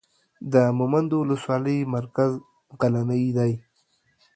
د مومند اولسوالۍ مرکز غلنۍ دی.